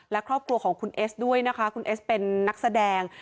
และครอบครัวของคุณเอสด้วยนะคะคุณเอสเป็นนักแสดง